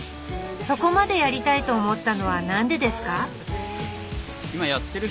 そこまでやりたいと思ったのは何でですか？